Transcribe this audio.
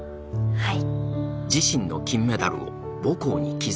・はい。